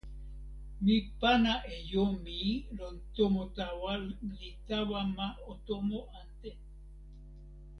mi pana e jo mi lon tomo tawa li tawa ma tomo ante.